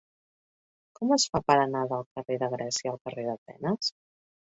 Com es fa per anar del carrer de Grècia al carrer d'Atenes?